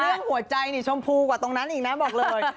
เรื่องหัวใจนี่ชมพูกว่าตรงนั้นอีกนะบอกเลย